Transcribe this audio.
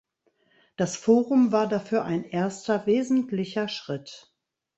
Das Forum war dafür ein erster wesentlicher Schritt.